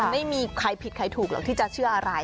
ไม่มีใครผิดใครถูกหรอกที่จะเชื่ออะไร